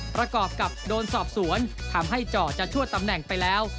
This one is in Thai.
ประกอบกับโดนสอบสวนทำให้เจาะจะชั่วตำแหน่งไปแล้ว